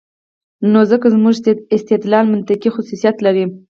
نو ځکه زموږ استدلال منطقي خصوصیت لري.